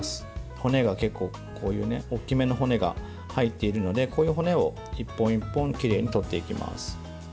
骨が結構、こういう大きめの骨が入っているのでこういう骨を１本１本きれいに取っていきます。